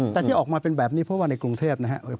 แต่ที่ออกมาเป็นแบบนี้เพราะว่าในกรุงเทพนะครับ